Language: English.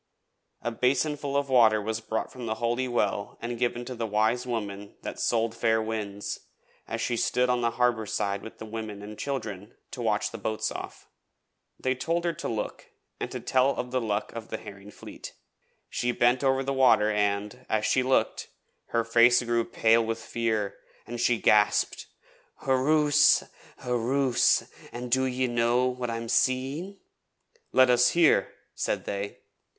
A basinful of water was brought from the Holy Well and given to the Wise Woman that sold fair winds, as she stood on the harbour side with the women and children to watch the boats off. They told her to look and tell of the luck of the Herring Fleet. She bent over the water and, as she looked, her face grew pale with fear, and she gasped: 'Hurroose, hurroose! An' do ye know what I'm seeing?' 'Let us hear,' said they.